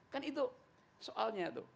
kan itu soalnya